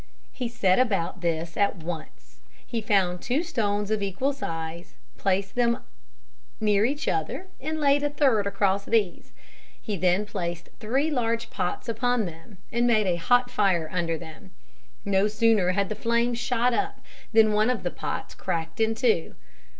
He set about this at once. He found two stones of equal size, placed them near each other and laid a third across these. He then placed three large pots upon them and made a hot fire under them. No sooner had the flame shot up than one of the pots cracked in two.